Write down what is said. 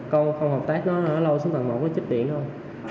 còn không hợp tác nó nó lâu xuống tầng một nó chích điện thôi